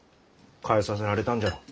変えさせられたんじゃろ。